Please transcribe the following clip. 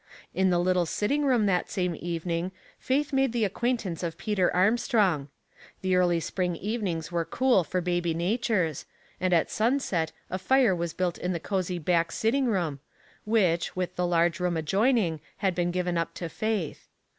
In the little sitting room that same evening Faith made the acquain tance of Peter Armstrong. The early spring evenings were cool for baby natures, and at sunset a fire was built in the cosy back sitting room, which, with the large room adjoining, had been given up to Faith.